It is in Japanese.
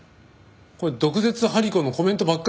これ毒舌ハリコのコメントばっかりじゃない。